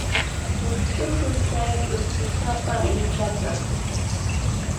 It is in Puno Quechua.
Wikch'upuy chay ch'uspisapa aychata.